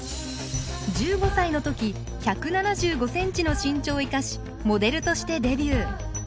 １５歳の時１７５センチの身長を生かしモデルとしてデビュー。